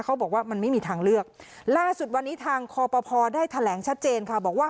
เขาบอกว่ามันไม่มีทางเลือกล่าสุดวันนี้ทางคอปภได้แถลงชัดเจนค่ะบอกว่า